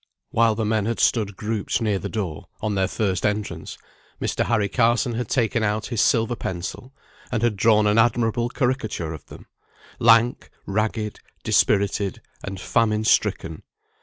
While the men had stood grouped near the door, on their first entrance, Mr. Harry Carson had taken out his silver pencil, and had drawn an admirable caricature of them lank, ragged, dispirited, and famine stricken.